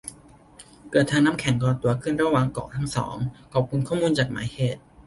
เกิดทางน้ำแข็งก่อตัวขึ้นระหว่างเกาะทั้งสอง ขอบคุณข้อมูลจาก หมายเหตุ